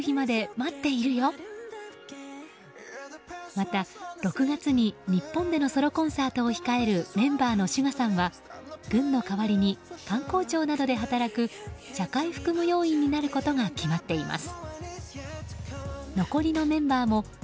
また、６月に日本でのソロコンサートを控えるメンバーのＳＵＧＡさんは軍の代わりに官公庁などで働く社会服務要員になることが決まっています。